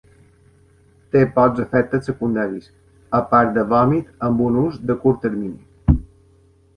Té pocs efectes secundaris, a part de vòmit amb un ús de curt termini.